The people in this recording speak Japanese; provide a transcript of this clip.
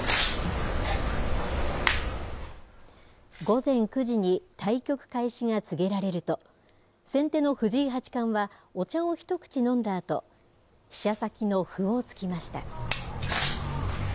午前９時に対局開始が告げられると、先手の藤井八冠は、お茶を一口飲んだあと、飛車先の歩を突きました。